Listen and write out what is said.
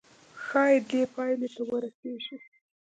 ښايي دې پايلې ته ورسيږئ.